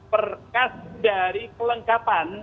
perkas dari kelengkapan